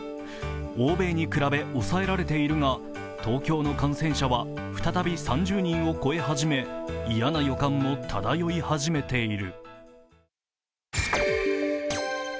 欧米に比べ抑えられているが、東京の感染者は再び３０人を超え始め嫌な予感も漂い始めている。